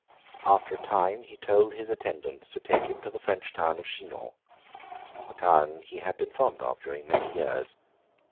After a time, he told his attendants to take him to the French town of Chinon—a town he had been fond of, during many years.